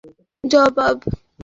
আমাকে জবাব দিন।